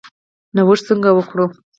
نوښت څنګه وکړو؟